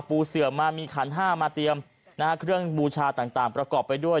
เสือมามีขันห้ามาเตรียมนะฮะเครื่องบูชาต่างประกอบไปด้วย